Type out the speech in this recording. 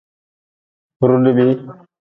Be rudbii.